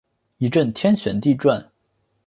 一阵天旋地转